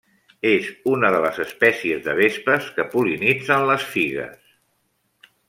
És una de les espècies de vespes que pol·linitzen les figues.